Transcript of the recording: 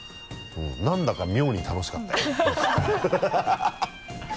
何だか妙に楽しかったよ